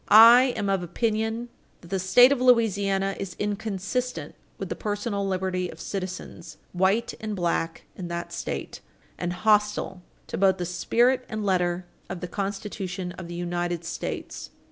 I am of opinion that the statute of Louisiana is inconsistent with the personal liberty of citizens, white and black, in that State, and hostile to both the spirit and letter of the Constitution of the United States.